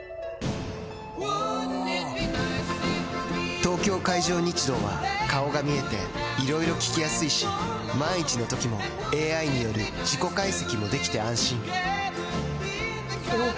東京海上日動は顔が見えていろいろ聞きやすいし万一のときもＡＩによる事故解析もできて安心おぉ！